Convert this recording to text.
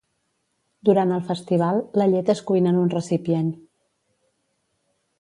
Durant el festival, la llet es cuina en un recipient.